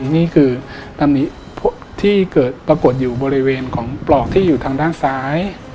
นี่คือตำหนิที่เกิดปรากฏอยู่บริเวณของปลอกที่อยู่ทางด้านซ้าย